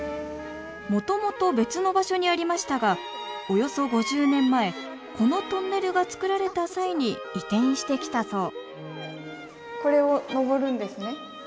もともと別の場所にありましたがおよそ５０年前このトンネルが造られた際に移転してきたそうこれを上るんですね？